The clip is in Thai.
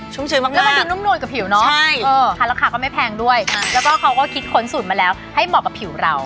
ชุ่มชื้นมากใช่ค่ะราคาก็ไม่แพงด้วยแล้วก็เขาก็คิดขนสูตรมาแล้วให้เหมาะกับผิวเรา